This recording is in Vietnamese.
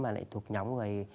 mà lại thuộc nhóm người